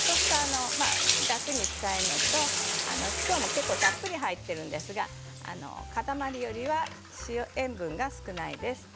楽に使えるのと今日も結構たっぷり入っているんですが塊よりは塩分が少ないです。